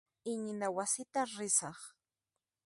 Iñina wasita risaq.